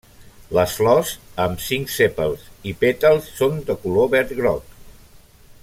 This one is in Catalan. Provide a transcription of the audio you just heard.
Les flors, amb cinc sèpals i pètals, són de color verd groc.